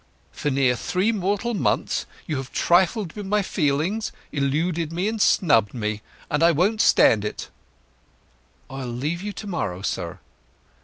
For near three mortal months have you trifled with my feelings, eluded me, and snubbed me; and I won't stand it!" "I'll leave you to morrow, sir."